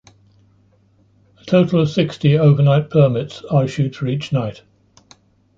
A total of sixty overnight permits are issued for each night.